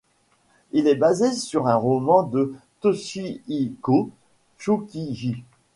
Il est basé sur un roman de Toshihiko Tsukiji.